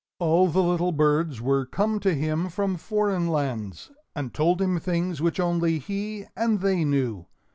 All the little birds were come to him from foreign lands, and told him things which only he and they knew.